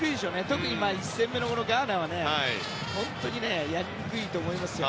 特に１戦目のガーナは本当にやりにくいと思いますよ。